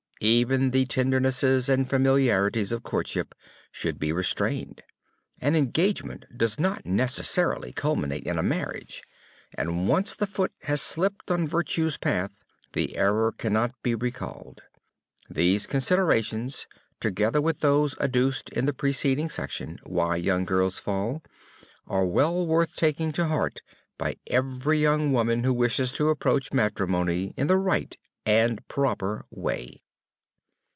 Even the tendernesses and familiarities of courtship should be restrained. An engagement does not necessarily culminate in a marriage, and once the foot has slipped on virtue's path the error cannot be recalled. These considerations, together with those adduced in the preceding section, "Why Young Girls Fall," are well worth taking to heart by every young woman who wishes to approach matrimony in the right and proper way.